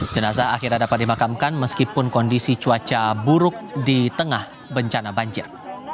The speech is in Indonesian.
jenazah akhirnya dapat dimakamkan meskipun kondisi cuaca buruk di tengah bencana banjir